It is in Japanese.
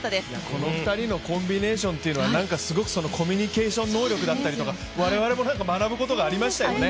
この２人のコンビネーションというのは、すごくコミュニケーション能力だったりとか我々も学ぶことがありましたよね。